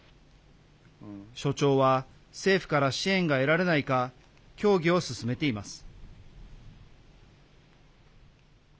所長は政府から支援が得られないか協議を進めています。